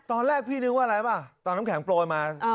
ตอนแรกพี่นึกว่าอะไรป่ะตอนน้ำแข็งโปรยมา